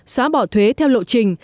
xóa bỏ thuế theo lộ trình